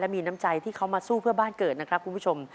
มีน้ำใจที่เขามาสู้เพื่อบ้านเกิดนะครับคุณผู้ชม